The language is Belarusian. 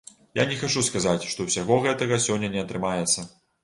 Я не хачу сказаць, што ўсяго гэтага сёння не атрымаецца.